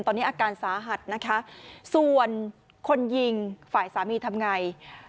ตอนนี้อาการสาหัสนะคะส่วนคนยิงฝ่ายสามีทำไง